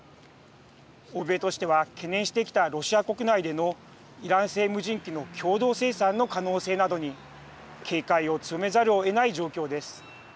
欧米としては懸念してきたロシア国内でのイラン製無人機の共同生産の可能性などに警戒を強めざるをえない状況です。